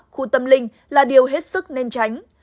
khu tâm linh là điều hết sức nên tránh